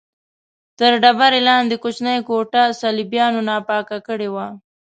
تر ډبرې لاندې کوچنۍ کوټه صلیبیانو ناپاکه کړې وه.